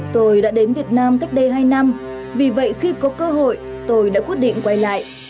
tôi đã đến việt nam cách đây hai năm vì vậy khi có cơ hội tôi đã quyết định quay lại